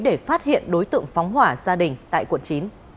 để phát hiện đối tượng phóng hỏa gia đình